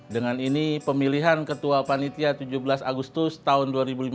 dengan ini pemilihan ketua panitia tujuh belas agustus tahun dua ribu lima belas